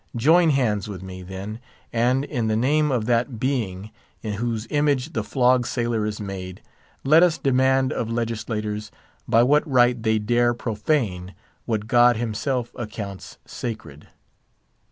Join hands with me, then; and, in the name of that Being in whose image the flogged sailor is made, let us demand of Legislators, by what right they dare profane what God himself accounts sacred.